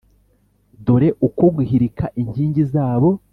Dore uko guhirika inkingi zabo.